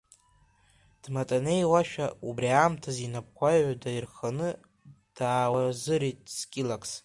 Дматанеиуашәа убри аамҭаз инапқәа аҩада ирхханы даауазырит Скилакс.